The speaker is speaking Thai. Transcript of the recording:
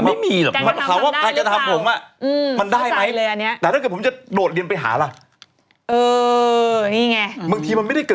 ไม่ได้จริงอเจมส์เพราะฉะนั้นอันนี้มันเป็นบททดสอบ